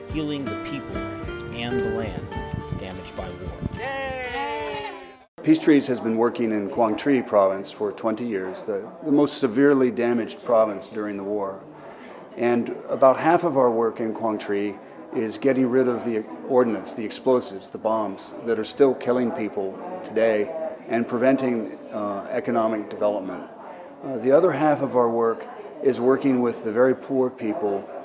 hãy đăng ký kênh để ủng hộ kênh mình nhé